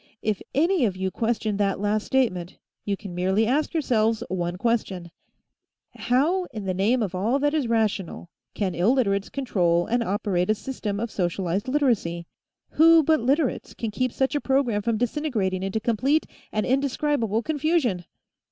If any of you question that last statement, you can merely ask yourselves one question: How, in the name of all that is rational, can Illiterates control and operate a system of socialized Literacy? Who but Literates can keep such a program from disintegrating into complete and indescribable confusion?